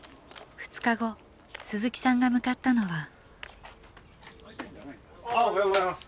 ２日後鈴木さんが向かったのはあおはようございます。